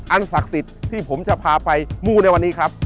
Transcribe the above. ศักดิ์สิทธิ์ที่ผมจะพาไปมูในวันนี้ครับ